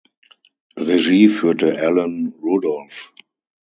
Regie führte Alan Rudolph.